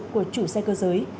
của chủ xe cơ giới